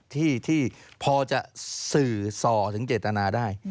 ที่พอจะสื่อส่อถึงเจตนาได้